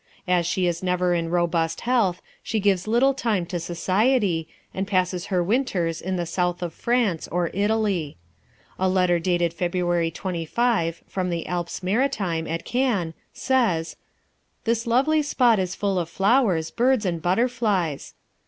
As she is never in robust health, she gives little time to society, and passes her winters in the South of France or Italy. A letter dated Feb. 25, from the Alps Maritime, at Cannes, says, "This lovely spot is full of flowers, birds, and butterflies."